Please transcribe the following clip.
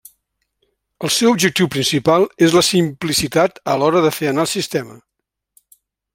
El seu objectiu principal és la simplicitat a l'hora de fer anar el sistema.